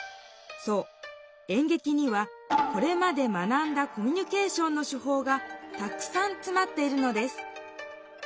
そう演劇にはこれまで学んだコミュニケーションの手法がたくさんつまっているのです